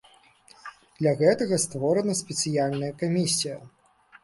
Для гэтага створана спецыяльная камісія.